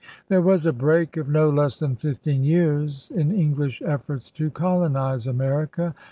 There was a break of no less than fifteen years in English efforts to colonize America.